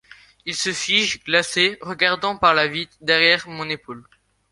Il se fige, glacé, regardant par la vitre derrière mon épaule.